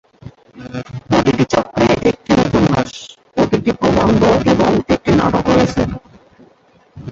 প্রতিটি চক্রে একটি উপন্যাস, একটি প্রবন্ধ এবং একটি নাটক রয়েছে।